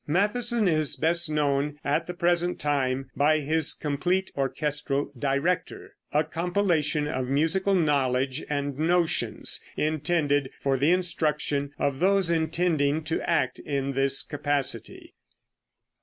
Mattheson is best known at the present time by his "Complete Orchestral Director," a compilation of musical knowledge and notions, intended for the instruction of those intending to act in this capacity.